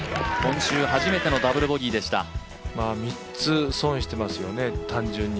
今週初めてのダブルボギーでした。